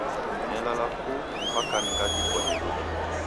Nelala ku mpaka ngadikwa ni luda.